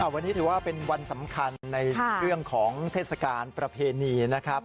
วันนี้ถือว่าเป็นวันสำคัญในเรื่องของเทศกาลประเพณีนะครับ